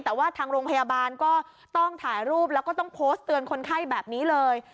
แต่ว่าทางโรงพยาบาลก็ต้องถ่ายรูปแล้วก็ต้องโพสต์เตือนคนไข้แบบนี้เลย